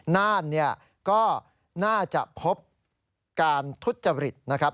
น่านก็น่าจะพบการทุจริตนะครับ